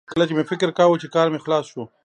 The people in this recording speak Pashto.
کله چې مې فکر کاوه چې کار مې خلاص شو